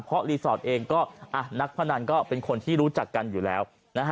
เพราะนักพนันพนันก็รู้จักกันอยู่แล้ว